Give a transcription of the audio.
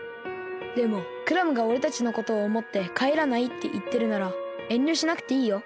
でもクラムがおれたちのことをおもってかえらないっていってるならえんりょしなくていいよ。